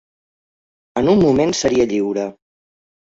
En un moment seria lliure.